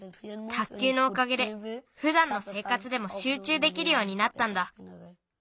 卓球のおかげでふだんのせいかつでもしゅうちゅうできるようになったんだ。